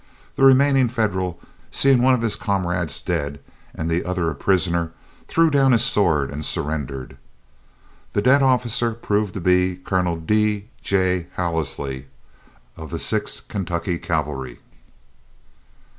The remaining Federal, seeing one of his comrades dead and the other a prisoner, threw down his sword and surrendered. The dead officer proved to be Colonel D. J. Halisy of the Sixth Kentucky cavalry.